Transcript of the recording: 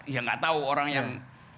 ya nggak tahu orang yang